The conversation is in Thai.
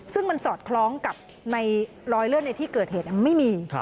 ซึ่งมันสอดคล้องกับในรอยเลือดในที่เกิดเหตุไม่มี